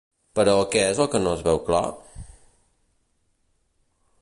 Però què és el que no veu clar?